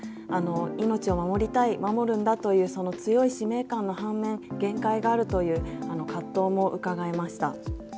命を守りたい守るんだというその強い使命感の反面限界があるという葛藤もうかがえました。